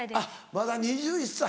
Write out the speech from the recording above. まだ２１歳。